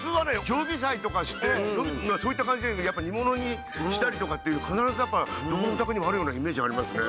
常備菜とかしてそういった感じで煮物にしたりとかっていう必ずだからどこのお宅にもあるようなイメージありますね。